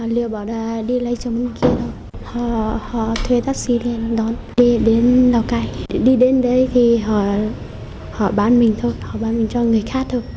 liệu bọn đi lấy chồng kia đâu họ thuê taxi lên đón đi đến lào cai đi đến đây thì họ bán mình thôi họ bán mình cho người khác thôi